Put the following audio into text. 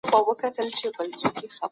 خوب د حافظې تنظیم کوي.